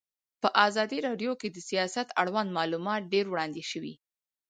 په ازادي راډیو کې د سیاست اړوند معلومات ډېر وړاندې شوي.